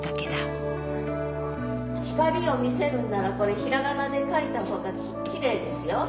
「ひかり」を見せるんならこれひらがなで書いた方がきれいですよ。